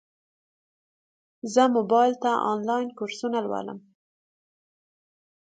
زه موبایل ته انلاین کورسونه لولم.